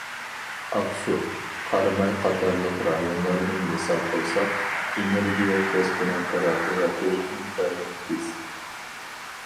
ئاقسۇ، قاراماي قاتارلىق رايونلارنى مىسال قىلساق، ئېنېرگىيە كەسپىنىڭ تەرەققىياتى ئىنتايىن تېز.